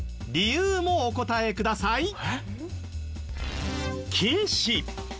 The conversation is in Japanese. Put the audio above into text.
理由もお答えください。